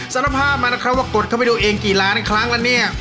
สารภาพมานะครับว่ากดเข้าไปดูเองกี่ล้านครั้งแล้วเนี่ย